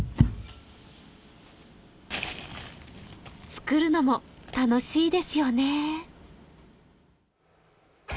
作るのも楽しいですよね。